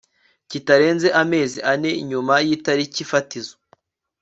kitarenze amezi ane nyuma y itariki fatizo